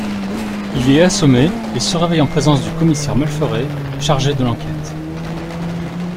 Il est assommé et se réveille en présence du commissaire Malferrer, chargé de l’enquête.